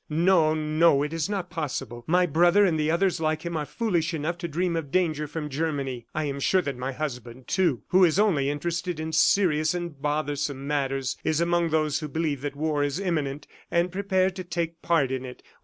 No, no, it is not possible. My brother and others like him are foolish enough to dream of danger from Germany. I am sure that my husband, too, who is only interested in serious and bothersome matters, is among those who believe that war is imminent and prepare to take part in it.